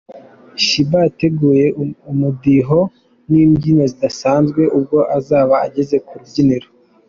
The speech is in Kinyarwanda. Shebah yateguje umudiho n’imbyino zidasanzwe ubwo azaba ageze ku rubyiniro.